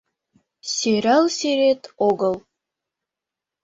Сӧрал сӱрет огыл.